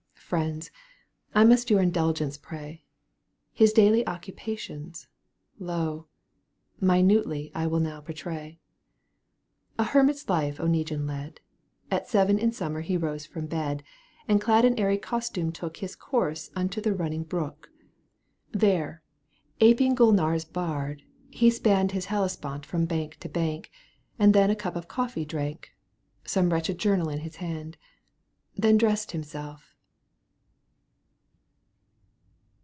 Friends, I must your indulgence pray. His daily occupations, lo ! Minutely I will now portray. A hermit's life Oneguine led, At seven in summer rose from bed, L And clad in airy costume took His course unto the running brook. There, aping Gulnare's bard, he spanned Digitized by CjOOQ 1С S^fiSS 116 EUGENE ON^GUINE. canto iy. His Hellespont from bank to bank, And then a cup of coffee drank, Some wretched journal in his hand ; Then dressed himself